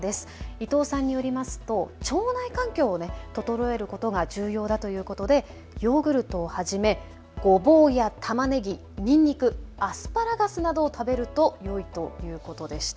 伊藤さんによりますと腸内環境を整えることが重要だということでヨーグルトをはじめごぼうやたまねぎ、にんにく、アスパラガスなどを食べるとよいということでした。